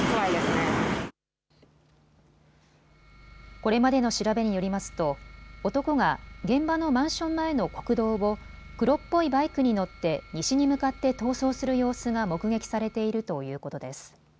これまでの調べによりますと男が現場のマンション前の国道を黒っぽいバイクに乗って西に向かって逃走する様子が目撃されているということです。